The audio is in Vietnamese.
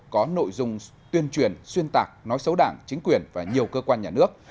có nội dung tuyên truyền xuyên tạc nói xấu đảng chính quyền và nhiều cơ quan nhà nước